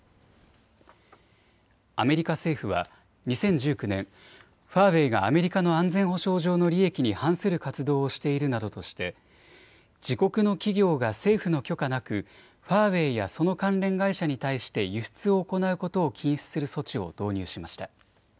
アメリカ政府は２０１９年、ファーウェイがアメリカの安全保障上の利益に反する活動をしているなどとして、自国の企業が政府の許可なくファーウェイやその関連会社に対して輸出を行うことを禁止する措置を導入しました。